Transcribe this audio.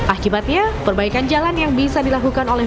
akibatnya perbaikan jalan yang bisa dilakukan oleh